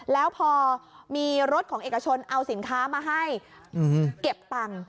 แล้วพอมีรถของเอกชนเอาสินค้ามาให้เก็บตังค์